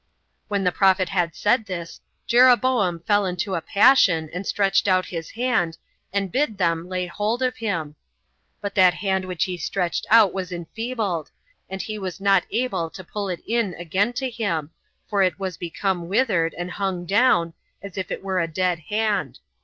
When the prophet had said this, Jeroboam fell into a passion, and stretched out his hand, and bid them lay hold of him; but that hand which he stretched out was enfeebled, and he was not able to pull it in again to him, for it was become withered, and hung down, as if it were a dead hand.